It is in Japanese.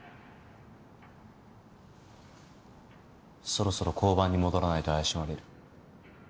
そろそろ交番に戻らないと怪しまれる。